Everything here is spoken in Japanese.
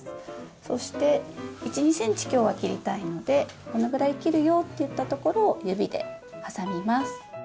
そして１２ｃｍきょうは切りたいのでこのぐらい切るよっていったところを指で挟みます。